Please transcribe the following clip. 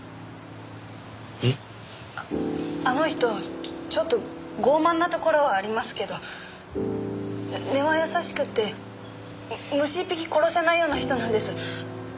あっあの人ちょっと傲慢なところはありますけど根は優しくて虫一匹殺せないような人なんです。